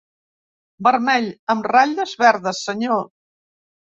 Vermell, amb ratlles verdes, senyor.